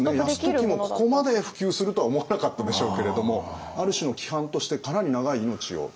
泰時もここまで普及するとは思わなかったでしょうけれどもある種の規範としてかなり長い命を保つことになりますね。